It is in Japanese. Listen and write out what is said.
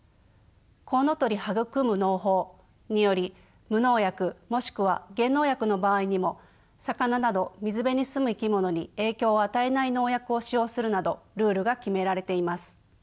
「コウノトリ育む農法」により無農薬もしくは減農薬の場合にも魚など水辺に住む生き物に影響を与えない農薬を使用するなどルールが決められています。